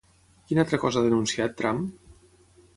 Quina altra cosa ha denunciat Trump?